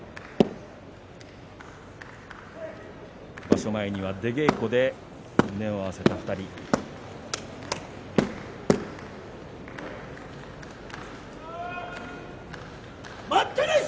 場所前には出稽古で胸を合わせた２人です。